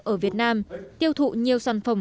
ở việt nam tiêu thụ nhiều sản phẩm